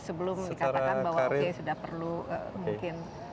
sebelum dikatakan bahwa oke sudah perlu mungkin